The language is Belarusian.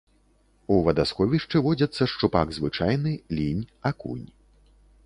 У вадасховішчы водзяцца шчупак звычайны, лінь, акунь.